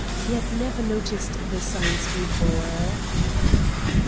He had never noticed the signs before.